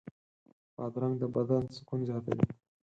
بادرنګ د بدن سکون زیاتوي.